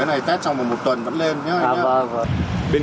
cái này test trong một tuần vẫn lên